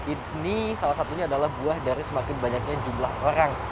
ini salah satunya adalah buah dari semakin banyaknya jumlah orang